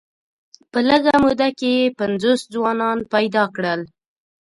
په لږه موده کې یې پنځوس ځوانان پیدا کړل.